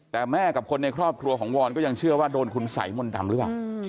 แต่แม่กับคนในครอบครัวของวอนก็ยังเชื่อว่าโดนคุณสัยมนต์ดำหรือเปล่า